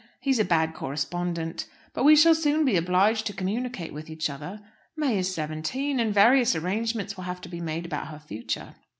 He is a bad correspondent. But we shall soon be obliged to communicate with each other. May is seventeen, and various arrangements will have to be made about her future."